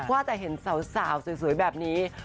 ว่าแต่เห็นสาวสวยแบบนี้